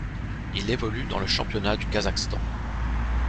Il évolue dans le championnat du Kazakhstan.